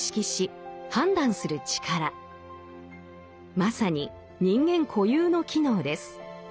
まさに人間固有の機能です。